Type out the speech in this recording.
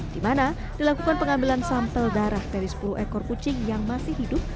di mana dilakukan pengambilan sampel darah dari sepuluh ekor kucing yang masih hidup